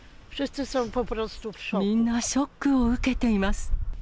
みんなショックを受けています。